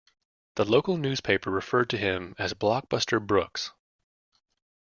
The local newspaper referred to him as "Blockbuster Brooks".